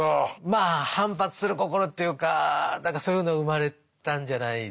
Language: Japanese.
まあ反発する心というか何かそういうのが生まれたんじゃないでしょうかね。